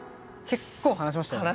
結構話しましたよね。